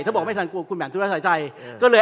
ถ้าบอกไม่ทันคุณแหม่นสุริภาจะเสียใจ